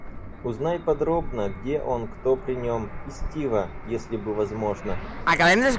Узнай подробно, где он, кто при нем. И Стива... если бы возможно!